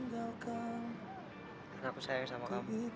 dan aku menciptakan lagu itu dari hati yang paling dalam li